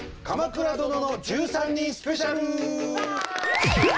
「鎌倉殿の１３人」スペシャル！